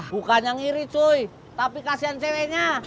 bukan yang iri cuy tapi kasihan ceweknya